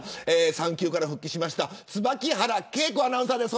産休から復帰しました椿原慶子アナウンサーです。